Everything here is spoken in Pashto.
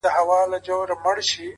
« صدقې لره یې غواړم د د لبرو-